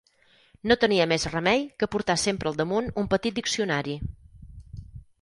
No tenia més remei que portar sempre al damunt un petit diccionari